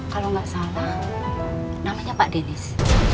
kalau enggak salah namanya pak dennis